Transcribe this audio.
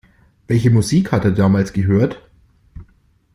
Welche Musik hat er damals gehört?